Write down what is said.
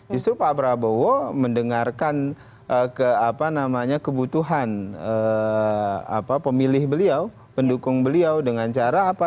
justru pak prabowo mendengarkan kebutuhan pemilih beliau pendukung beliau dengan cara apa